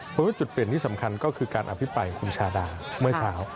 ผมว่าจุดเปลี่ยนที่สำคัญก็คือการอภิปรายคุณชาดาเมื่อเช้า